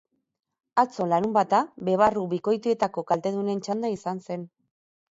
Atzo, larunbata, bebarru bikoitietako kaltedunen txanda izan zen.